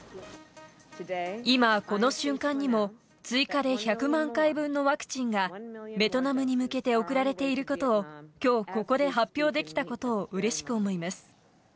今、この瞬間にも、追加で１００万回分のワクチンがベトナムに向けて送られていることを、きょう、ここで発表できたことをうれしく思います。